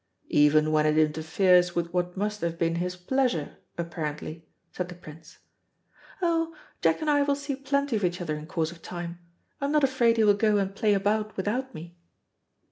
"Even when it interferes with what must have been his pleasure, apparently," said the Prince. "Oh; Jack and I will see plenty of each other in course of time. I'm not afraid he will go and play about without me."